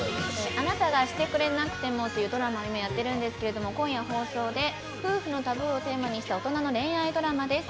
「あなたがしてくれなくても」というドラマを今やってるんですけれども今夜放送で夫婦のタブーをテーマにした大人の恋愛ドラマです。